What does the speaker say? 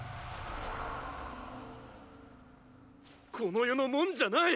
この世のモンじゃない！